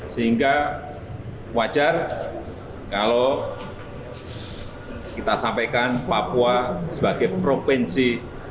sehingga wajar kalau kita sampaikan papua sebagai provinsi